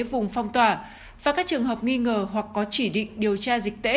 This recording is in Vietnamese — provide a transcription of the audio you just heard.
vùng phong tỏa và các trường hợp nghi ngờ hoặc có chỉ định điều tra dịch tễ